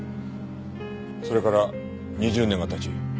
それから２０年が経ち